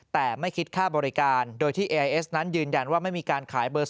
แต่ไม่คิดค่าบริการ